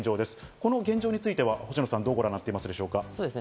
この現状については星野さん、どうご覧になっていますか？